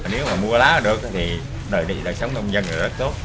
nếu mà mua lá được thì đợi sống nông dân là rất tốt